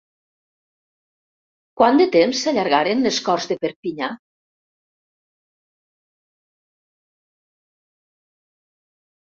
Quant de temps s'allargaren les Corts de Perpinyà?